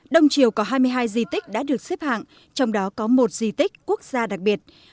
đông triều có hai mươi hai di tích đã được xếp hạng trong đó có một di tích quốc gia đặc biệt